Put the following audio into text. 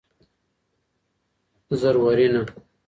زرورینه